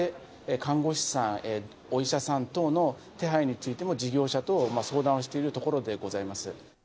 看護師さん、お医者さん等の手配についても、事業者と相談をしているところでございます。